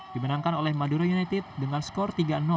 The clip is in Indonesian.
dimenangkan oleh madura united dengan skor tiga